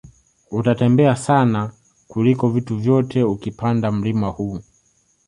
Utatembea sana kliko vitu vyote ukipanda mlima huu